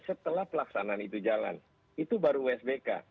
setelah pelaksanaan itu jalan itu baru wsbk